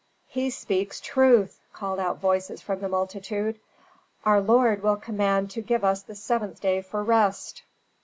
"He speaks truth!" called out voices from the multitude. "Our lord will command to give us the seventh day for rest."